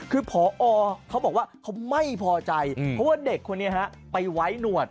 คือพอเขาบอกว่าเขาไม่พอใจเพราะว่าเด็กคนนี้ไปไว้หนวด